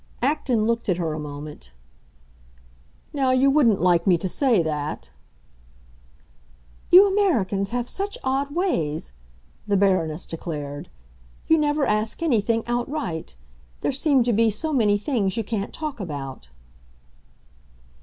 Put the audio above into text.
Acton looked at her a moment. "Now you wouldn't like me to say that!" "You Americans have such odd ways!" the Baroness declared. "You never ask anything outright; there seem to be so many things you can't talk about."